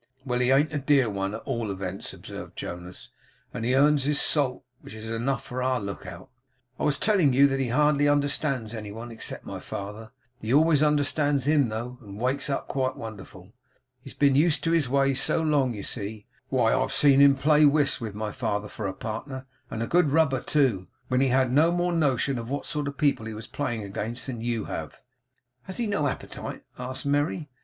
'Well! He an't a dear one at all events,' observed Jonas; 'and he earns his salt, which is enough for our look out. I was telling you that he hardly understands any one except my father; he always understands him, though, and wakes up quite wonderful. He's been used to his ways so long, you see! Why, I've seen him play whist, with my father for a partner; and a good rubber too; when he had no more notion what sort of people he was playing against, than you have.' 'Has he no appetite?' asked Merry.